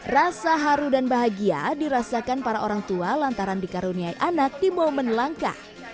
rasa haru dan bahagia dirasakan para orang tua lantaran dikaruniai anak di momen langka